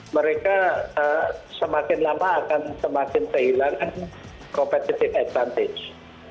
mereka semakin lama akan semakin kehilangan competitive advantage